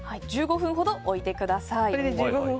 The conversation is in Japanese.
１５分ほど置いてください。